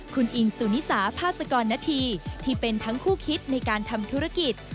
คุณอิงสุนิสาพาสกรณฑีที่เป็นทั้งคู่คิดในการทำธุรกิจ